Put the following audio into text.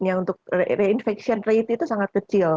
yang untuk reinfection rate itu sangat kecil